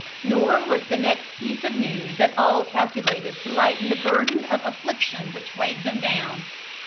Nor was the next piece of news at all calculated to lighten the burden of affliction which weighed them down.